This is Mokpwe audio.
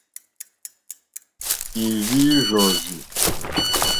Ì rzí rzɔ́rzí.